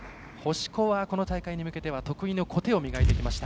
星子は、この大会に向けては得意の小手を磨いてきました。